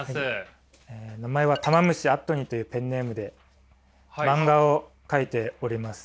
名前はたま虫あっとにというペンネームで漫画を描いております。